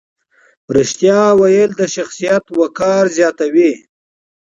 رښتیا ویل د شخصیت وقار زیاتوي.